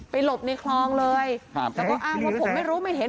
หลบในคลองเลยครับแล้วก็อ้างว่าผมไม่รู้ไม่เห็น